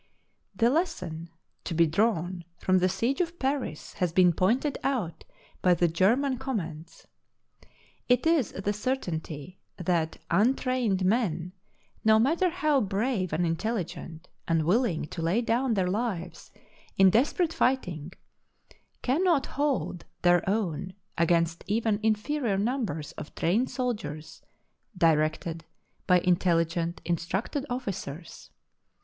The lesson to be drawn from the siege of Paris has been pointed out by the German comments. It is the certainty that untrained men, no matter how brave and intelligent, and willing to lay down their lives in desperate fighting, cannot hold their own against even inferior numbers of trained sol diers directed by intelligent, instructed officers.